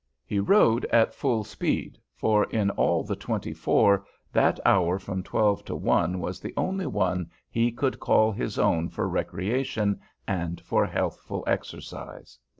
He rode at full speed, for in all the twenty four that hour from twelve to one was the only one he could call his own for recreation and for healthful exercise.